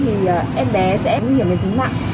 thì em bé sẽ nghiễm về tính mạng